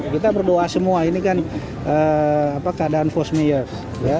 kita berdoa semua ini kan keadaan force mayor